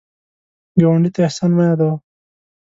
ګاونډي ته احسان مه یادوه